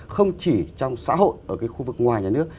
không chỉ trong xã hội ở cái khu vực ngoài nhà nước